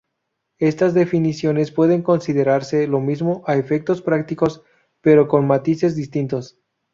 Estas definiciones pueden considerarse lo mismo a efectos prácticos, pero con matices distintos.